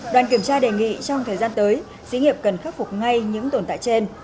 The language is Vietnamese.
đoàn kiểm tra đề nghị trong thời gian tới xí nghiệp cần khắc phục ngay những tồn tại trên